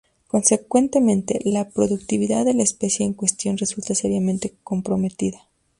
Consecuentemente, la productividad de la especie en cuestión resulta seriamente comprometida.